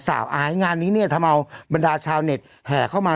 ไอซ์งานนี้เนี่ยทำเอาบรรดาชาวเน็ตแห่เข้ามา